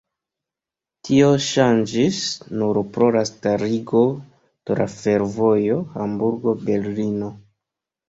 Tio ŝanĝis nur pro la starigo de la fervojo Hamburgo-Berlino.